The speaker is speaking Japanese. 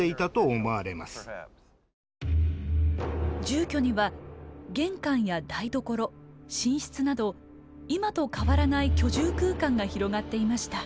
住居には玄関や台所寝室など今と変わらない居住空間が広がっていました。